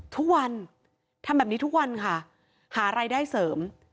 ทุกวันทำแบบนี้ทุกวันค่ะหารายได้เสริม